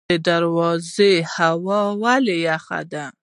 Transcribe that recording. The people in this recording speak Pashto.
د درواز هوا ولې یخه ده؟